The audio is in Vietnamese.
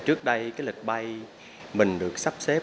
trước đây cái lịch bay mình được sắp xếp